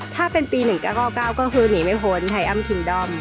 ถ้าเป็นปี๑๙๙๙ก็คือหนีไม่พ้นไทยอ้ำคิงดอม